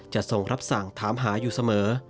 ทรงรับสั่งถามหาอยู่เสมอ